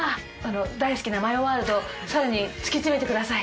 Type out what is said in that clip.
大好きなマヨワールドを更につきつめてください。